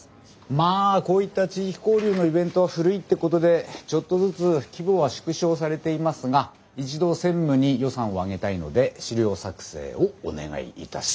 まあこういった地域交流のイベントは古いってことでちょっとずつ規模は縮小されていますが一度専務に予算をあげたいので資料作成をお願いいたしま。